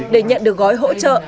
để nhận được gói hỗ trợ